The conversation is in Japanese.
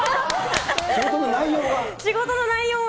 仕事の内容が？